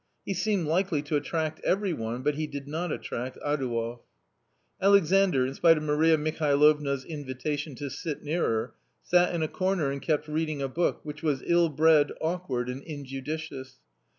He seemed likely to attract every one, but he did not attract Adouev. Alexandr, in spite of Maria Mihalovna's invitation to sit nearer, sat in a corner and kept reading a book, which was ill bred, awkward, and injudicious.